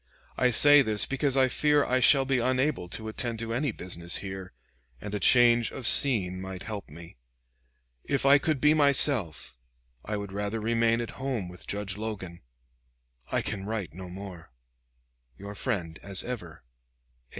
I say this because I fear I shall be unable to attend to any business here, and a change of scene might help me. If I could be myself, I would rather remain at home with Judge Logan. I can write no more. Your friend as ever. A.